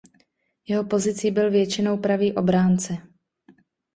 Jeho pozicí byl většinou pravý obránce.